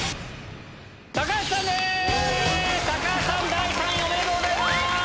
第３位おめでとうございます！